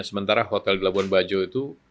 sementara hotel di labuan bajo itu